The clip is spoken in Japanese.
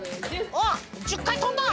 おっ１０かいとんだ！